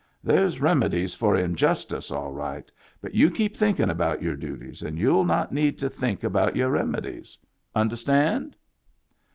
There's remedies for injustice all right, but you keep thinkin' about your duties and youll not need to think about your remedies. Understand